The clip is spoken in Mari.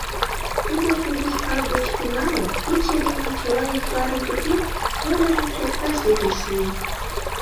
Тудо кугу шкаф деч тӱҥалын, кидше дене чыла ӱзгарым тӱкен, шольыжын шепкаж деке шуо.